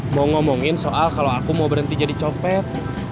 mau ngomongin soal kalau aku mau berhenti jadi copet